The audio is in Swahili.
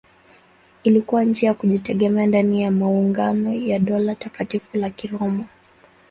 Ilikuwa nchi ya kujitegemea ndani ya maungano ya Dola Takatifu la Kiroma.